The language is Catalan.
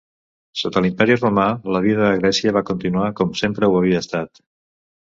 Sota l'Imperi romà la vida a Grècia va continuar com sempre ho havia estat.